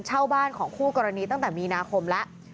เช่าบ้านของคู่กรณีตั้งแต่มีนาคมแล้ว